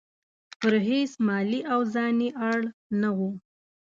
پر هیڅ مالي او ځاني اړ نه وو.